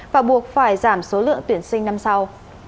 và buộc phải giảm số lượng tuyển sinh năm sau